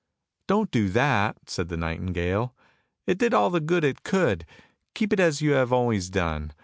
"" Don't do that! " said the nightingale, " it did all the good it could! keep it as you have always done!